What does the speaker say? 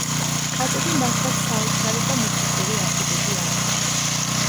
კატები მართლაც საოცარი და მისტიკური არსებები არიან